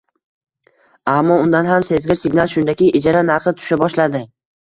Ammo undan ham sezgir signal shundaki, ijara narxi tusha boshladi